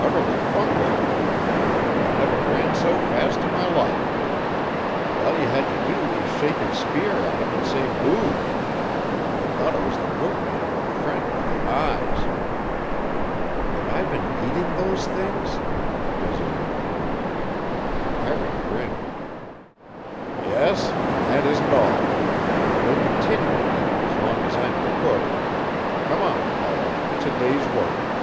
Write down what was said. "Utterly fungoed. I never ran so fast in my life. And all you had to do was shake your spear at 'em and say boo! I thought it was the roommate of our friend with the eyes." "Have I been eating those things?" Desiree demanded. Harry grinned. "Yes, and that isn't all. You'll continue to eat 'em as long as I'm the cook. Come on, Paul; it's a day's work."